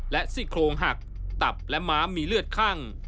และสิ้นโครงหักตับและม้ามีเลือดขั่ง